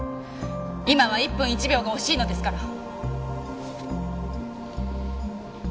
今は一分一秒が惜しいのですから。